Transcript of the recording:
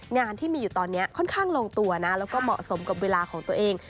งานที่มีอยู่ตอนนี้ค่อนข้างลงตัวนะแล้วก็เหมาะสมกับเวลาของตัวเอง